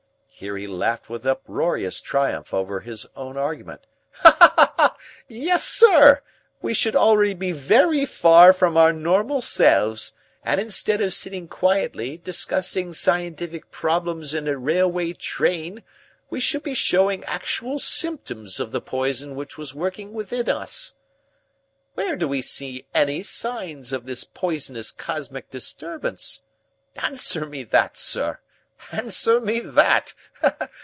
Here he laughed with uproarious triumph over his own argument. "Yes, sir, we should already be very far from our normal selves, and instead of sitting quietly discussing scientific problems in a railway train we should be showing actual symptoms of the poison which was working within us. Where do we see any signs of this poisonous cosmic disturbance? Answer me that, sir! Answer me that!